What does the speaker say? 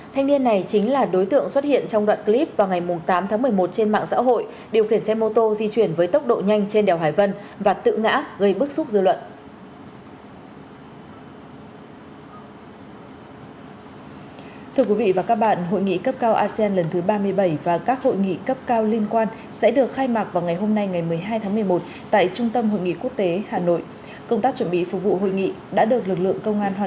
thanh niên này chính là đối tượng xuất hiện trong đoạn clip vào ngày tám tháng một mươi một trên mạng xã hội điều khiển xe mô tô di chuyển với tốc độ nhanh trên đèo hải vân